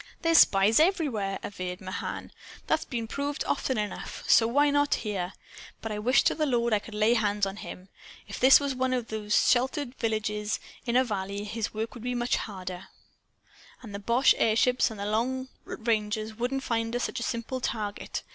"There's spies everywhere," averred Mahan. "That's been proved often enough. So why not here? But I wish to the Lord I could lay hands on him! If this was one of the little sheltered villages, in a valley, his work would be harder. And the boche airships and the long rangers wouldn't find us such a simple target.